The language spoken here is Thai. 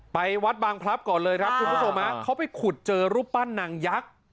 ไปวัดบางพลับก่อนเลยครับคุณผู้ชมฮะเขาไปขุดเจอรูปปั้นนางยักษ์